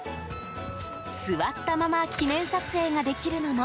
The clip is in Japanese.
座ったまま記念撮影ができるのも